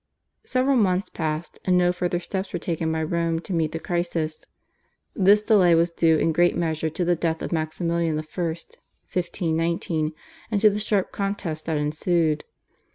Several months passed and no further steps were taken by Rome to meet the crisis. This delay was due in great measure to the death of Maximilian I. (1519), and to the sharp contest that ensued.